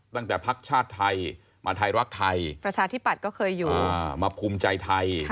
ตั้งแต่พักชาติไทยมาไทยรักไทยประชาธิบัตรก็เคยอยู่มาภูมิใจไทย